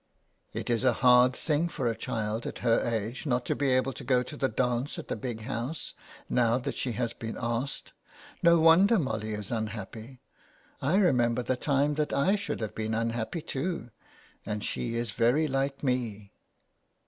" It is a hard thing for a child at her age not to be able to go to the dance at the Big House, now that she has been asked. No wonder Molly is unhappy. I remember the time that I should have been unhappy too, and she is very like me."